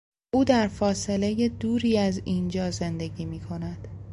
او در فاصلهی دوری از اینجا زندگی میکند.